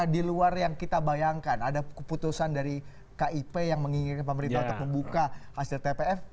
di luar yang kita bayangkan ada keputusan dari kip yang menginginkan pemerintah untuk membuka hasil tpf